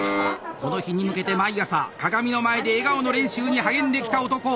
この日に向けて毎朝鏡の前で笑顔の練習に励んできた男。